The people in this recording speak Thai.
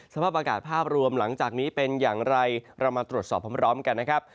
สภาพอากาศภาพรวมหลังจากนี้เป็นอย่างไรเรามาตรวจสอบพร้อมกันนะครับ